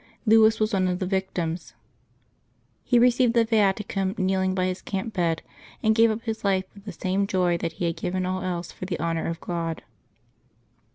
Louis was one of the victims. He received the Viaticum kneeling by his camp bed, and gave up his life with the same joy that he had given all else for the honor of God.